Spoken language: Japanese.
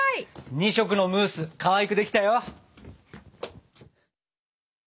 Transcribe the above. ２色のムースかわいくできたよ！